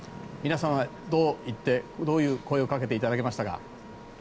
皆さんからどういう声をかけていただけましたか。